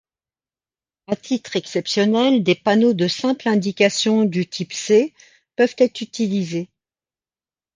À titre exceptionnel, des panneaux de simple indication du type C peuvent être utilisés.